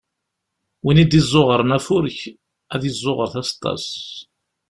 Win i d-izzuɣren afurk, ad d-izzuɣer taseṭṭa-s.